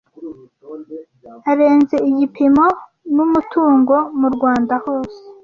arenze igipimo n umutungo mu Rwanda hose